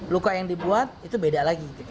luka yang dibuat itu beda lagi